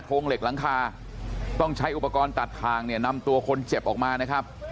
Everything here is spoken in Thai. งเหล็กหลังคาต้องใช้อุปกรณ์ตัดทางเนี่ยนำตัวคนเจ็บออกมานะครับ